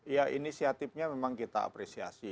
ya inisiatifnya memang kita apresiasi